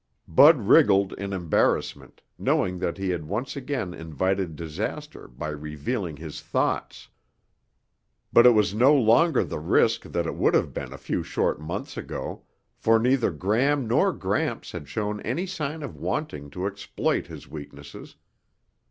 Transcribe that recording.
Bud wriggled in embarrassment, knowing that he had once again invited disaster by revealing his thoughts. But it was no longer the risk that it would have been a few short months ago, for neither Gram nor Gramps had shown any sign of wanting to exploit his weaknesses.